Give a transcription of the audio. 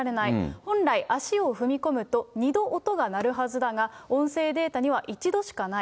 本来、足を踏み込むと、２度音が鳴るはずだが、音声データには一度しかない。